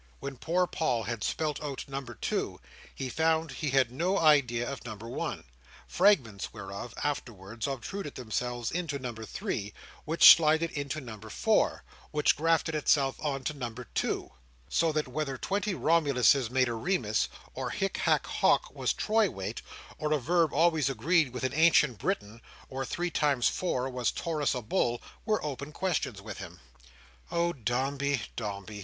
When poor Paul had spelt out number two, he found he had no idea of number one; fragments whereof afterwards obtruded themselves into number three, which slided into number four, which grafted itself on to number two. So that whether twenty Romuluses made a Remus, or hic haec hoc was troy weight, or a verb always agreed with an ancient Briton, or three times four was Taurus a bull, were open questions with him. "Oh, Dombey, Dombey!"